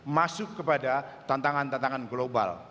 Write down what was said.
masuk kepada tantangan tantangan global